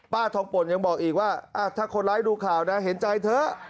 ทองป่นยังบอกอีกว่าถ้าคนร้ายดูข่าวนะเห็นใจเถอะ